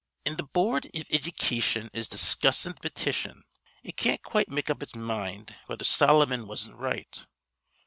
"An th' boord iv iddycation is discussin' th' petition. It can't quite make up its mind whether Solomon wasn't right.